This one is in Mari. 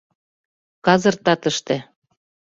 — Казыр татыште.